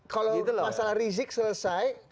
kalau masalah rizieq selesai